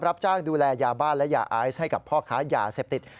รับจ้างดูแลยาบ้านและยาไอซ์ให้กับพ่อค้ายาเสพติด